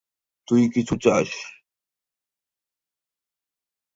তুই কিছু চাস!